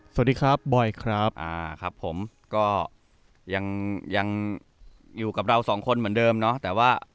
สวัสดีครับบอยครับอ่าครับผมก็ยังยังอยู่กับเราสองคนเหมือนเดิมเนาะแต่ว่า